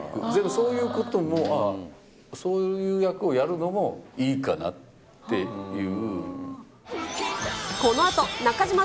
そういうことも、そういう役をやるのもいいかなっていう。